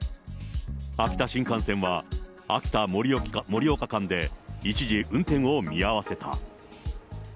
秋田新幹線は秋田・盛岡間で一時運転を見合わせた。